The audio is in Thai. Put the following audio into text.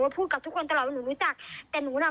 พูดกับทุกคนตลอดว่าหนูรู้จักแต่หนูน่ะ